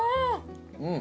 うん。